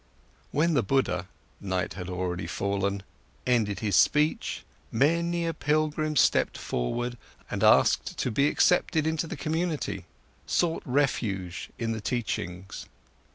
When the Buddha—night had already fallen—ended his speech, many a pilgrim stepped forward and asked to be accepted into the community, sought refuge in the teachings.